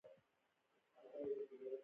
د انارو د ونو ترمنځ فاصله څومره وي؟